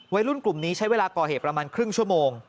วัยรุ่นกลุ่มนี้ใช้เวลาก่อเหตุประมาณครึ่งชั่วโมง